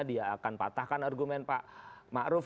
dia akan patahkan argumen pak maruf